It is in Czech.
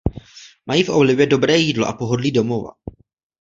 Mají v oblibě dobré jídlo a pohodlí domova.